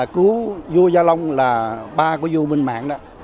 cứu vua gia long là ba của vô minh mạng đó